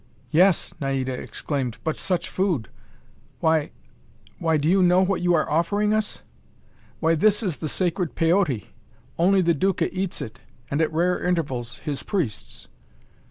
"Yes," Naida exclaimed, "but such food! Why why, do you know what you are offering us? Why, this is the sacred Peyote! Only the Duca eats it, and, at rare intervals, his priests."